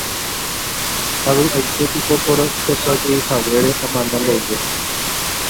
avy'aite piko ko rohechajeyhaguére amano mboyve.